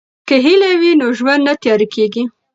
که هیله وي نو ژوند نه تیاره کیږي.